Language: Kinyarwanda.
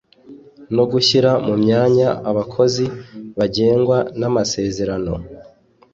no gushyira mu myanya abakozi bagengwa n’amasezerano